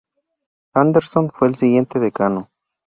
Anderson fue el siguiente decano.